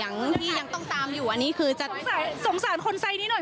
นักข่าวพูดถึงจอแต่แบบไม่เห็นอะไรเลย